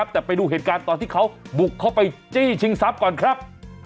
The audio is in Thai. แต่ไปดูเหตุการณ์ตอนที่เขาบุกเข้าไปจี้ชิงทรัพย์ก่อนครับ